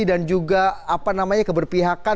dan juga apa namanya keberpihakan